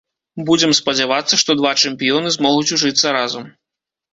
Будзем спадзявацца, што два чэмпіёны змогуць ужыцца разам.